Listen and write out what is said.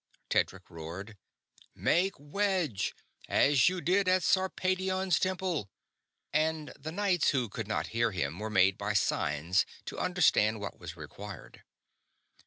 Tedric roared. "Make wedge, as you did at Sarpedion's Temple!" and the knights who could not hear him were made by signs to understand what was required.